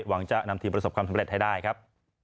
หวังจะนำทีมประสบความสำเร็จให้ได้ครับ